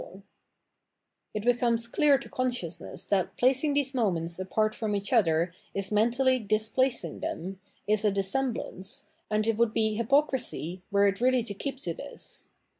Dissemblance 639 It becomes clear to consciousness that placing these moments apart from each other is mentally " dis placing" them, is a dissemblance, and it would be hypocrisy were it really to keep to this.